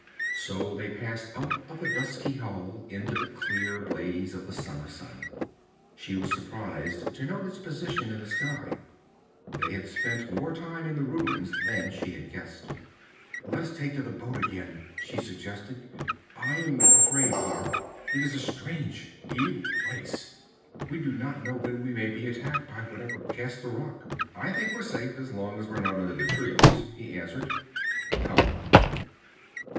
So they passed out of the dusky hall into the clear blaze of the summer sun. She was surprized to note its position in the sky; they had spent more time in the ruins than she had guessed. 'Let us take to the boat again,' she suggested. 'I am afraid here. It is a strange evil place. We do not know when we may be attacked by whatever cast the rock.' 'I think we're safe as long as we're not under the trees,' he answered. 'Come.'